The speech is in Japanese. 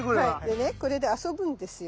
でねこれで遊ぶんですよ。